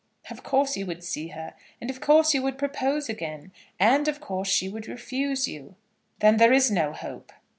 "Of course you would see her, and of course you would propose again, and of course she would refuse you." "Then there is no hope?"